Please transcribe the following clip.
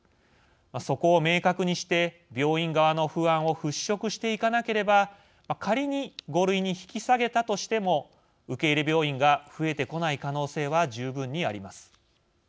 そこを明確にして病院側の不安を払拭していかなければ仮に５類に引き下げたとしても受け入れ病院が増えてこない可能性は十分にあります。